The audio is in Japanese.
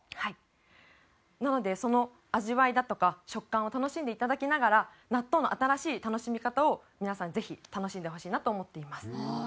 なのでその味わいだとか食感を楽しんで頂きながら納豆の新しい楽しみ方を皆さんぜひ楽しんでほしいなと思っています。